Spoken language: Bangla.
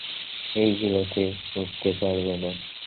এইগুলোতে উঠতে পারবে না।